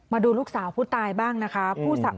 มาดูลูกสาวผู้ตายบ้างนะคะ